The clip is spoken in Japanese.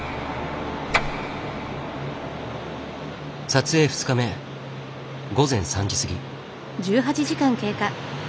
撮影２日目午前３時過ぎ。